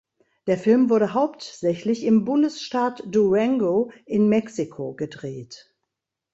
Der Film wurde hauptsächlich im Bundesstaat Durango in Mexiko gedreht.